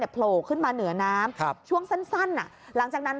โผล่ขึ้นมาเหนือน้ำช่วงสั้นหลังจากนั้น